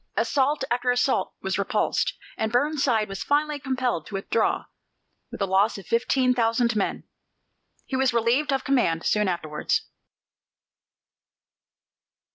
Assault after assault was repulsed, and Burnside was finally compelled to withdraw with a loss of fifteen thousand men. He was relieved of command soon afterwards.